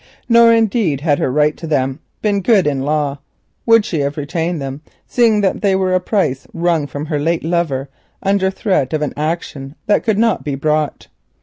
Nor, indeed, had her right to them been good in law, would she have retained them, seeing that they were a price wrung from her late lover under threat of an action that could not be brought.